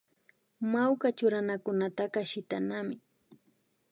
Mawka churanakunataka shitanami